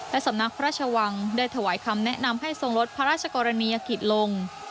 สำนักพระราชวังได้ถวายคำแนะนำให้ทรงลดพระราชกรณียกิจลง